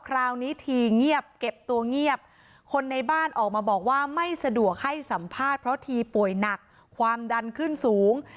คราวนี้ทีเงียบเก็บตัวเงียบคนในบ้านออกมาบอกว่าไม่สะดวกให้สัมภาษณ์เพราะทีป่วยหนักความดันขึ้นสูง